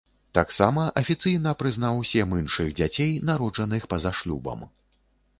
Таксама афіцыйна прызнаў сем іншых дзяцей, народжаных па-за шлюбам.